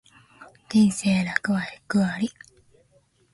人生は楽あり苦あり